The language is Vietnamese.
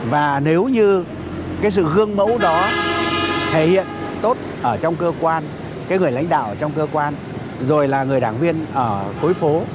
và nếu như cái sự gương mẫu đó thể hiện tốt ở trong cơ quan cái người lãnh đạo trong cơ quan rồi là người đảng viên ở khối phố